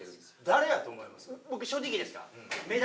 僕正直いいですか？